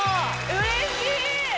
うれしい！